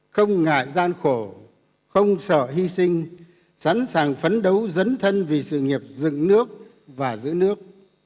không ngại gian khổ không sợ hy sinh sẵn sàng phấn đấu dấn thân vì sự nghiệp dựng nước và giữ nước